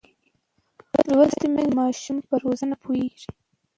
لوستې میندې د ماشوم پر روزنه پوهېږي.